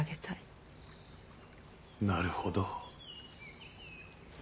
なるほど。